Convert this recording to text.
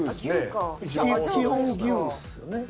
基本牛っすよね。